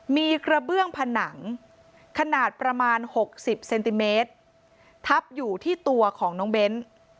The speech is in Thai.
มีกระเบื้องผนังขนาดประมาณ๖๐เซนติเมตรทับอยู่ที่ตัวของน้องเบ้น